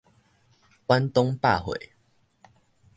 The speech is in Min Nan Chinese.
遠東百貨